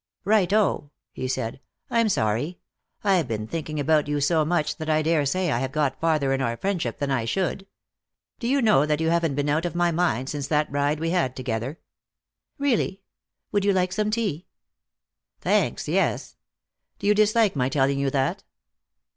"Right o," he said, "I'm sorry. I've been thinking about you so much that I daresay I have got farther in our friendship than I should. Do you know that you haven't been out of my mind since that ride we had together?" "Really? Would you like some tea?" "Thanks, yes. Do you dislike my telling you that?"